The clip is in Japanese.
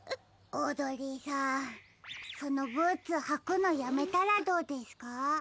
オードリーさんそのブーツはくのやめたらどうですか？